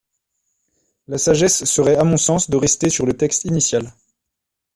La sagesse serait à mon sens de rester sur le texte initial.